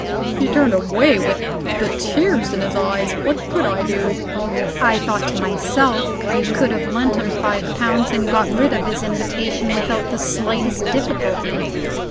He turned away with the tears in his eyes. What could I do?" I thought to myself, "You could have lent him five pounds, and got rid of his invitation without the slightest difficulty."